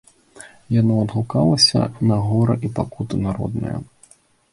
Яно адгукалася на гора і пакуты народныя.